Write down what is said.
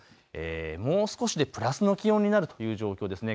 もう少しでプラスの気温になるという状況ですね。